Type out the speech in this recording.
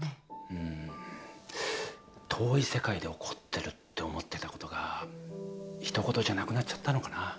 うん遠い世界で起こってるって思ってたことがひと事じゃなくなっちゃったのかな。